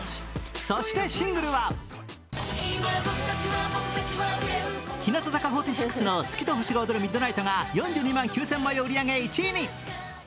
そしてシングルは日向坂４６の「月と星が踊るＭｉｄｎｉｇｈｔ」が４２万９０００枚を売り上げ、１位に。